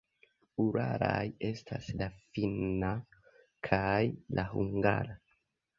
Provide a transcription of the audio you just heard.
Uralaj estas la finna kaj la hungara.